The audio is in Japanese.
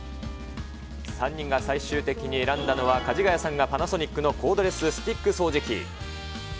３人が最終的に選んだのは、かじがやさんがパナソニックのコードレススティック掃除機。